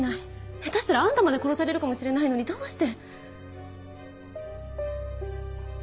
下手したらあんたまで殺されるかもしれないのにどうして。